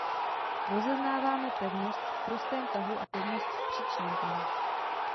Rozeznáváme pevnost v prostém tahu a pevnost v příčném tahu.